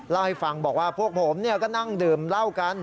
เล่าให้ฟังบอกว่าพวกผมก็นั่งดื่มเหล้ากัน